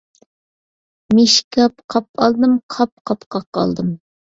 مىشكاپ _ قاپ ئالدىم، قاپ_ قاپقاق ئالدىم.